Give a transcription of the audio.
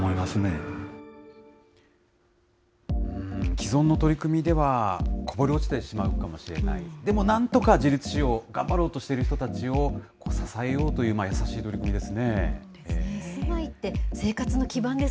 既存の取り組みではこぼれ落ちてしまうかもしれない、でも、なんとか自立しよう、頑張ろうとしている人たちを支えようという優しい取り組みですね。